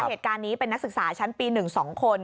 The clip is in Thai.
เหตุการณ์นี้เป็นนักศึกษาชั้นปี๑๒คน